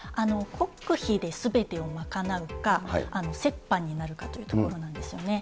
国費ですべてを賄うか、折半になるかというところなんですよね。